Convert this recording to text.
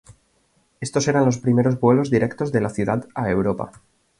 Estos eran los primeros vuelos directos de la ciudad a Europa.